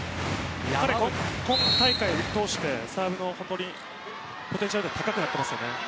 彼は、今大会を通してサーブポテンシャル高くなっています。